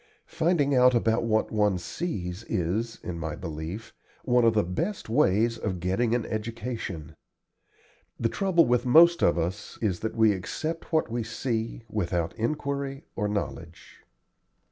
Finding out about what one sees is, in my belief, one of the best ways of getting an education. The trouble with most of us is that we accept what we see, without inquiry or knowledge.